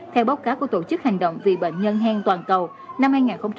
theo báo cáo của tổ chức hành động vì bệnh nhân hen toàn cầu năm hai nghìn hai mươi